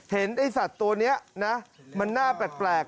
ไอ้สัตว์ตัวนี้นะมันน่าแปลก